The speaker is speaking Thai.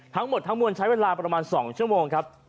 ทั้งหมดทั้งมวลใช้เวลาประมาณ๒ชั่วโมงครับ